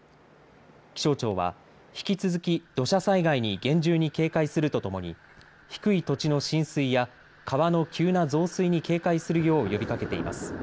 気象庁は引き続き土砂災害に厳重に警戒するとともに低い土地の浸水や川の急な増水に警戒するよう呼びかけています。